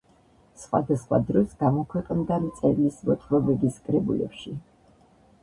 სხვადასხვა დროს გამოქვეყნდა მწერლის მოთხრობების კრებულებში.